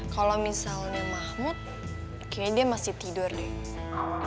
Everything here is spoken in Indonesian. kalau misalnya mahmud kayaknya dia masih tidur deh